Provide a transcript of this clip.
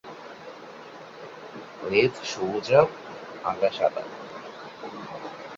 লেজ সবুজাভ, আগা সাদা।